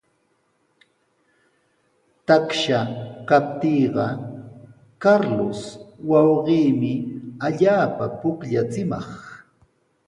Taksha kaptiiqa Carlos wawqiimi allaapa pukllachimaq.